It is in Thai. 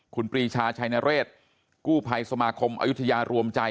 คุณปรีชาชัยนเรศกู้ภัยสมาคมอายุทยารวมใจ